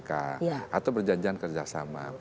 atau perjanjian kerjasama